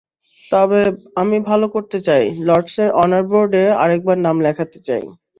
তবে আমি ভালো করতে চাই, লর্ডসের অনার বোর্ডে আরেকবার নাম লেখাতে চাই।